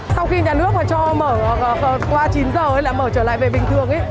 sau khi nhà nước cho mở qua chín giờ là mở trở lại về bình thường